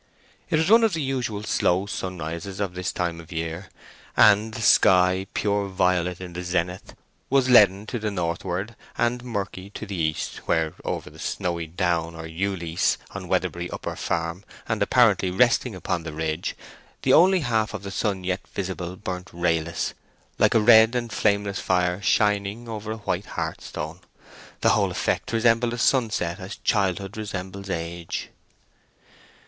It was one of the usual slow sunrises of this time of the year, and the sky, pure violet in the zenith, was leaden to the northward, and murky to the east, where, over the snowy down or ewe lease on Weatherbury Upper Farm, and apparently resting upon the ridge, the only half of the sun yet visible burnt rayless, like a red and flameless fire shining over a white hearthstone. The whole effect resembled a sunset as childhood resembles age.